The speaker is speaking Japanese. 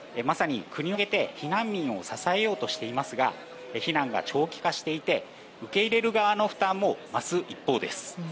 まさに国を挙げて避難民を支えようとしていますが避難が長期化していて受け入れる側の負担も増す一方です。